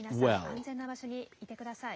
皆さん、安全な場所にいてください。